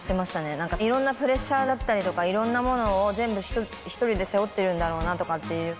なんかいろんなプレッシャーだったりとか、いろんなものを全部、一人で背負ってるんだろうなとかっていう。